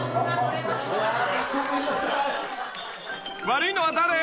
［悪いのは誰？